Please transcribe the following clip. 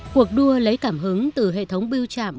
cuộc đua lấy cảm hứng từ hệ thống biêu chạm